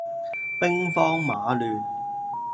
兵荒馬亂